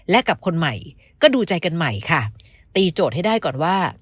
และกับคนใหม่ก็ดูใจกันใหม่ค่ะตีโจทย์ให้ได้ก่อนว่า